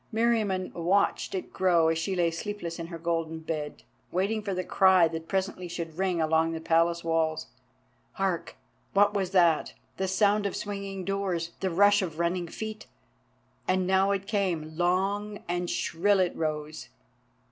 Meriamun watched it grow as she lay sleepless in her golden bed, waiting for the cry that presently should ring along the Palace walls. Hark! What was that? The sound of swinging doors, the rush of running feet. And now it came—long and shrill it rose.